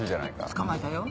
捕まえたよ。